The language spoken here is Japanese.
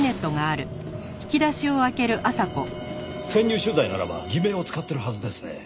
潜入取材ならば偽名を使ってるはずですね。